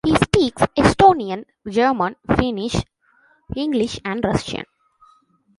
He speaks Estonian, German, Finnish, English and Russian.